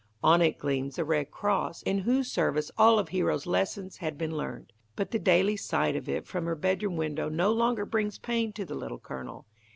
On it gleams the Red Cross, in whose service all of Hero's lessons had been learned. But the daily sight of it from her bedroom window no longer brings pain to the Little Colonel.